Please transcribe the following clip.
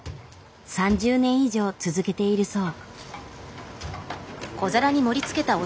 ３０年以上続けているそう。